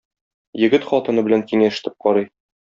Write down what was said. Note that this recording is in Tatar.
Егет хатыны белән киңәш итеп карый.